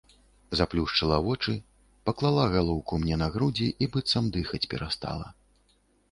Заплюшчыла вочы, паклала галоўку мне на грудзі і быццам дыхаць перастала.